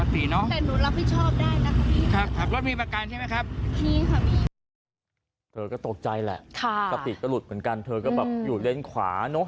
เธอก็ตกใจแหละสติก็หลุดเหมือนกันเธอก็แบบอยู่เลนส์ขวาเนอะ